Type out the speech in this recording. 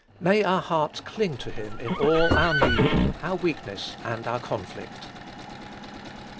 May our hearts cling to him in all our need, our weakness, and our conflict.